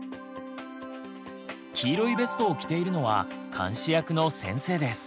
黄色いベストを着ているのは監視役の先生です。